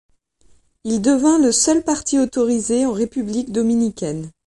Il devint le seul parti autorisé en République dominicaine.